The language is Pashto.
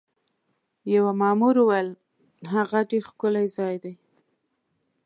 یوه مامور وویل: هغه ډېر ښکلی ځای دی.